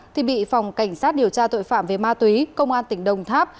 thì bị phòng cảnh sát điều tra tội phạm về ma túy công an tỉnh đồng tháp